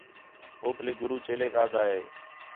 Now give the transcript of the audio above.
ہو پلے گُرو چیلیک آدھا ہِے